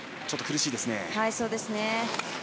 ちょっと苦しいですね。